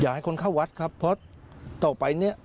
ให้คนเข้าวัดครับเพราะต่อไปเนี่ย